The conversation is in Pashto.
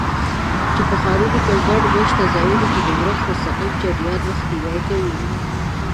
چې په ښارونو او ګڼ مېشتو ځایونو کې د اورښت مستقیم جریان مخنیوی کوي.